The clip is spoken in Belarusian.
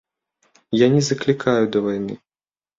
Я не заклікаю да вайны.